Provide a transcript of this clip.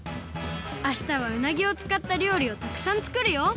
あしたはうなぎをつかったりょうりをたくさんつくるよ。